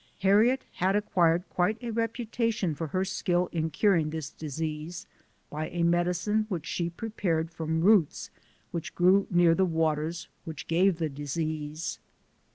Harriet had acquired quite a reputation for her skill in curing this disease, by a medicine which she pre pared from roots which grew near the waters which gave the disease.